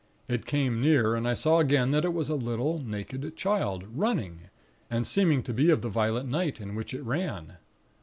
It came near, and I saw again that it was a little naked Child, running, and seeming to be of the violet night in which it ran.